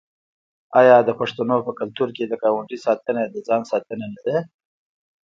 آیا د پښتنو په کلتور کې د ګاونډي ساتنه د ځان ساتنه نه ده؟